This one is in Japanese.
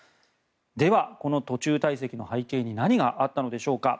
では、この途中退席の背景に何があったのでしょうか。